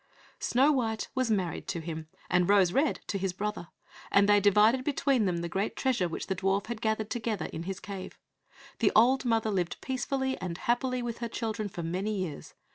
Snow white was married to him, and Rose red to his brother, and they divided between them the great treasure which the dwarf had gathered together in his cave. The old mother lived peacefully and happily with her children for many years.